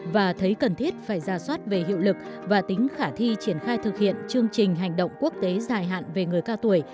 và thấy cần thiết phải ra soát về hiệu lực và tính khả thi triển khai thực hiện chương trình hành động quốc tế dài hạn về người cao tuổi